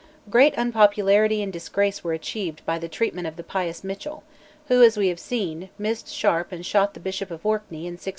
Great unpopularity and disgrace were achieved by the treatment of the pious Mitchell, who, we have seen, missed Sharp and shot the Bishop of Orkney in 1668.